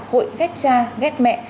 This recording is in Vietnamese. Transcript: hội ghét cha ghét mẹ